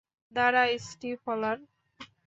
দাঁড়া, স্টিফলার।